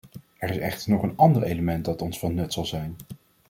Er is echter nog een ander element dat ons van nut zal zijn.